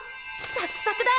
サクサクだ！